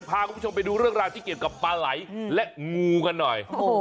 พาคุณผู้ชมไปดูเรื่องราวที่เกี่ยวกับปลาไหลและงูกันหน่อย